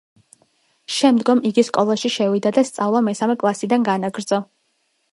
შემდგომ იგი სკოლაში შევიდა და სწავლა მესამე კლასიდან განაგრძო.